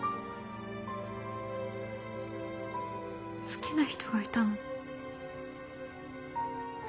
好きな人がいたの。